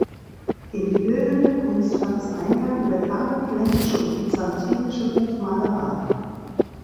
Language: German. In die bildende Kunst fand es Eingang über die abendländische und byzantinische Buchmalerei.